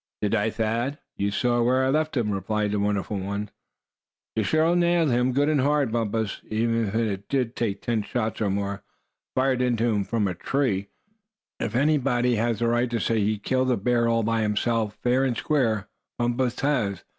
"Did I, Thad; you saw where I left him?" replied the Wonderful One. "You sure nailed him, good and hard, Bumpus, even if it did take ten shots or more, fired into him from a tree, to do the business. If ever anybody has a right to say he killed a bear all by himself, fair and square, Bumpus has.